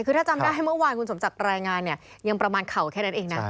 คือถ้าจำได้เมื่อวานคุณสมจักรรายงานเนี่ยยังประมาณเข่าแค่นั้นเองนะ